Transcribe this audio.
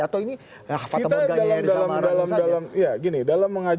atau ini fata morganya yang disamaran